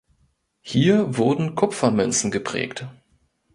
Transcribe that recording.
Hier wurden Kupfermünzen geprägt.